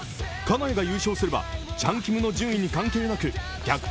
優勝すれば、チャン・キムの順位に関係なく逆転